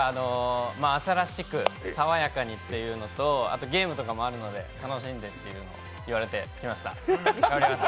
朝らしく爽やかにというのとあと、ゲームとかもあるので楽しんでって言われて来ました。